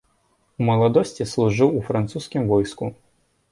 У маладосці служыў у французскім войску.